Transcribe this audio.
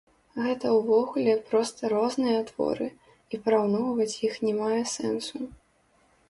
Гэта ўвогуле проста розныя творы, і параўноўваць іх не мае сэнсу.